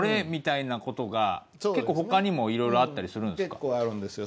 あの結構あるんですよ。